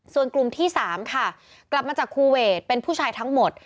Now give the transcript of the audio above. ส่วนกลุ่มที่๓ค่ะกลับมาจากคูเวทเป็นผู้ชายทั้งหมด